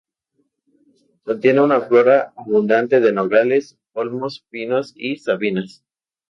Contiene una flora abundante de nogales, olmos, pinos y sabinas.